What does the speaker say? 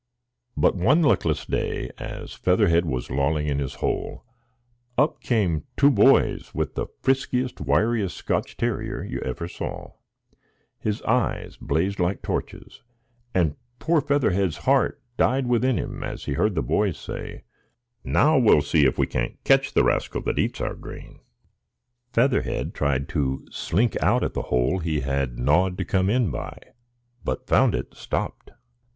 But one luckless day, as Featherhead was lolling in his hole, up came two boys with the friskiest, wiriest Scotch terrier you ever saw. His eyes blazed like torches, and poor Featherhead's heart died within him as he heard the boys say, "Now we'll see if we can't catch the rascal that eats our grain." [Picture: Enemies in waiting] Featherhead tried to slink out at the hole he had gnawed to come in by, but found it stopped.